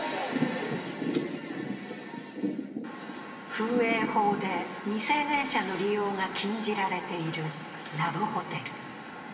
風営法で未成年者の利用が禁じられているラブホテル。